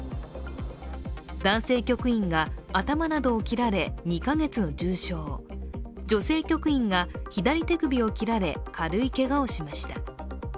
男性局員が頭などを切られ２か月の重傷、女性局員が左手首を切られ軽いけがをしました。